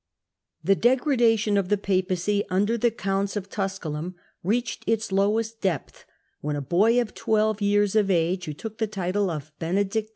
The degradation of the Papacy under the counts of Tusculum reached its lowest depth when a boy of twelve Degradation years of age, who took the title of Benedict IX.